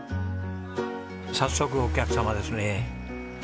早速お客様ですね。